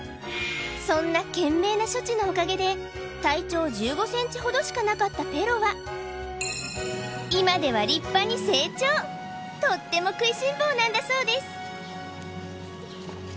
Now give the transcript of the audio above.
そんな懸命な処置のおかげで体長１５ｃｍほどしかなかったペロは今ではとっても食いしん坊なんだそうです